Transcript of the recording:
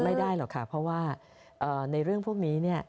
ไม่ได้หรอกค่ะเพราะว่าในเรื่องพวกนี้เนี่ย